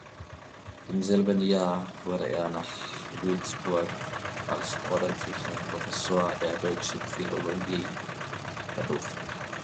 Im selben Jahr wurde er nach Würzburg als ordentlicher Professor der deutschen Philologie berufen.